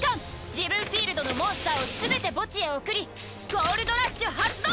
自分フィールドのモンスターをすべて墓地へ送りゴールド・ラッシュ発動！